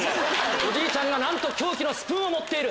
おじいちゃんがなんと凶器のスプーンを持っている。